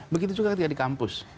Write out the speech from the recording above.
begitu juga ketika di kampus